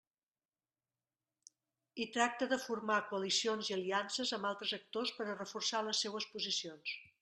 I tracta de formar coalicions i aliances amb altres actors per a reforçar les seues posicions.